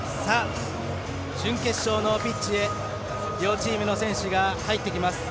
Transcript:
準決勝のピッチへ両チームの選手が入ってきます。